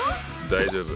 大丈夫！